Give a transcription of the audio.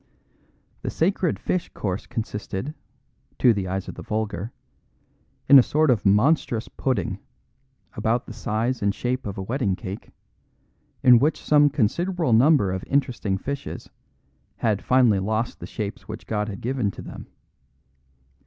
The sacred fish course consisted (to the eyes of the vulgar) in a sort of monstrous pudding, about the size and shape of a wedding cake, in which some considerable number of interesting fishes had finally lost the shapes which God had given to them.